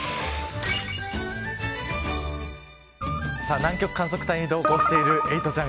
南極観測隊に同行しているエイトちゃん。